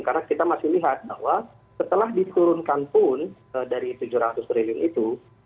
karena kita masih lihat bahwa setelah diturunkan pun dari rp tujuh ratus triliun itu